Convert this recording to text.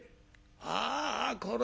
ああこら